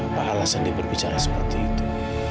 apa alasan dia berbicara seperti itu